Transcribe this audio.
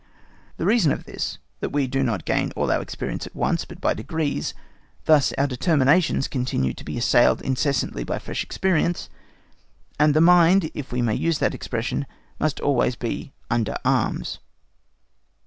The reason of this is, that we do not gain all our experience at once, but by degrees; thus our determinations continue to be assailed incessantly by fresh experience; and the mind, if we may use the expression, must always be "under arms."